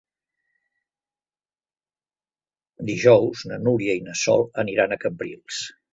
Dijous na Núria i na Sol aniran a Cambrils.